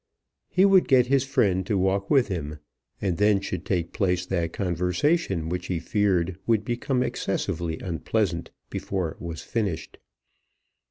He would get his friend to walk with him, and then should take place that conversation which he feared would become excessively unpleasant before it was finished.